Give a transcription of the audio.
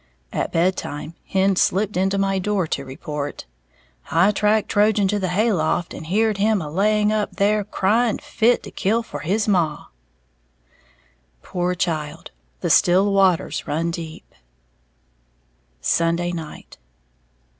At bed time, Hen slipped into my door to report, "I tracked Trojan to the hayloft, and heared him a laying up there crying fit to kill for his maw." Poor child, the still waters run deep! _Sunday Night.